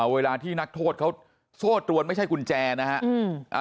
เวลาที่นักโทษเขาโซ่ตรวนไม่ใช่กุญแจนะครับ